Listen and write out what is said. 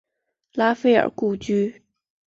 拉斐尔故居。